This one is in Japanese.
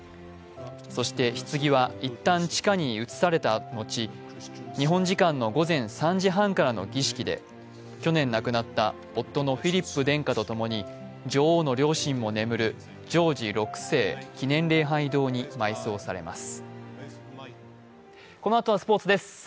そして、ひつぎはいったん地下に移された後、日本時間の午前３時半からの儀式で去年亡くなった夫のフィリップ殿下と共に、女王の両親も眠るジョージ６世記念礼拝堂に埋葬されます。